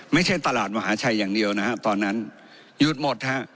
ไม่ใช่ตลาดมหาชัยอย่างเดียวนะฮะตอนนั้นหยุดหมดฮะ